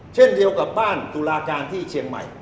เช่นเดียวกับบ้านตุลาการที่เชียงใหม่